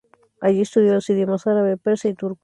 Allí estudió los idiomas árabe, persa y turco.